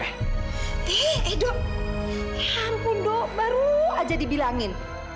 eh edo ya ampun dok baru aja dibilangin